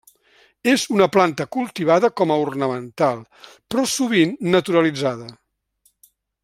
És una planta cultivada com a ornamental, però sovint naturalitzada.